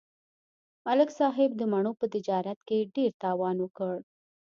ملک صاحب د مڼو په تجارت کې ډېر تاوان وکړ.